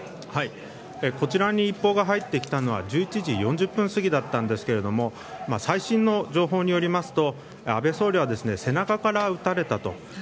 こちらに一報が入ってきたのは１１時４０分過ぎだったんですけれども最新の情報によりますと安倍総理は背中から撃たれたと。